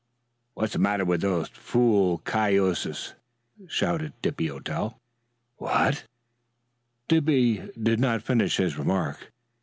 "What's the matter with those fool cayuses?" shouted Dippy Orell. "What " Dippy did not finish his remark.